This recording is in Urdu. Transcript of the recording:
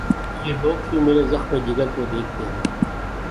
یہ لوگ کیوں مرے زخمِ جگر کو دیکھتے ہیں